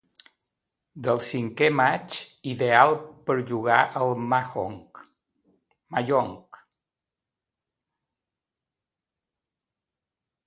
Del cinquè maig, ideal per jugar al mahjong.